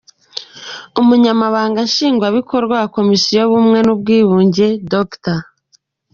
Umunyamabanga Nshingwabikorwa wa Komisiyo y’Ubumwe n’Ubwiyunge, Dr.